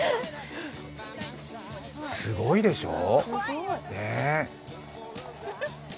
すごいでしょ？ね？